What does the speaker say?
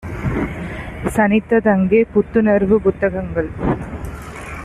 சனித்ததங்கே புத்துணர்வு! புத்த கங்கள்